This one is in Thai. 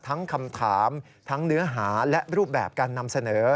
คำถามทั้งเนื้อหาและรูปแบบการนำเสนอ